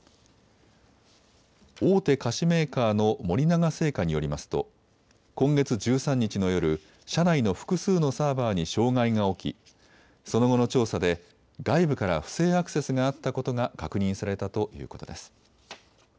大手菓子メーカーの森永製菓によりますと今月１３日の夜、社内の複数のサーバーに障害が起きその後の調査で外部から不正アクセスがあったことが確認されたということです。